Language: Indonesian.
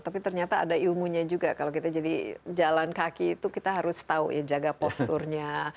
tapi ternyata ada ilmunya juga kalau kita jadi jalan kaki itu kita harus tahu ya jaga posturnya